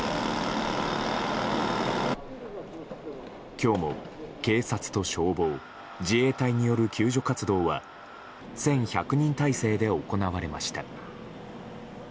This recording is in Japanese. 今日も、警察と消防自衛隊による救助活動は１１００人態勢で行われました。